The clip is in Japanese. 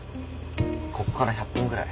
ここから１００分ぐらい。